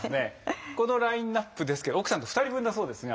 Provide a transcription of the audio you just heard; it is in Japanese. このラインアップですけど奥さんと２人分だそうですが。